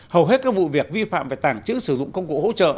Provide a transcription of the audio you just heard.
hầu hết các vụ việc vi phạm về tàng trữ sử dụng công cụ hỗ trợ